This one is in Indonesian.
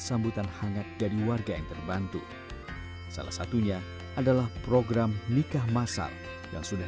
sambutan hangat dari warga yang terbantu salah satunya adalah program nikah masal yang sudah